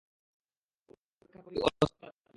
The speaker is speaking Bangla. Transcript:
উপেক্ষা করতে তো তুই ওস্তাদ ছিলি।